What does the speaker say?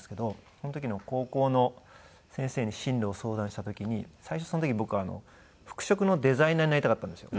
その時の高校の先生に進路を相談した時に最初その時僕服飾のデザイナーになりたかったんですよ。